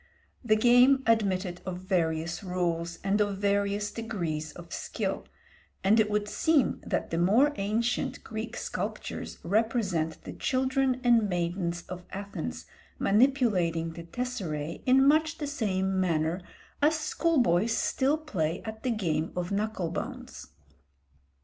The game admitted of various rules and of various degrees of skill, and it would seem that the more ancient Greek sculptures represent the children and maidens of Athens manipulating the tesseræ in much the same manner as school boys still play at the game of knuckle bones.